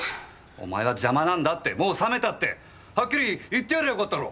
お前は邪魔なんだってもう冷めたってはっきり言ってやりゃよかったろ。